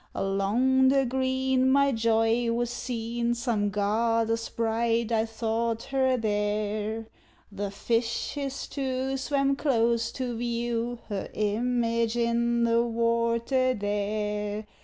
Along the green my Joy was seen; Some goddess bright I thought her there; The fishes, too, swam close, to view Her image in the water there.